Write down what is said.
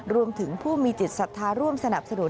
รวมถึงผู้มีจิตศัตริย์ร่วมสนับสะดวก